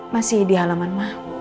masih di halaman ma